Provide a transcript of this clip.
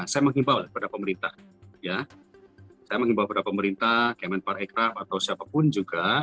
saya mengimbau kepada pemerintah kemenpar ekrap atau siapapun juga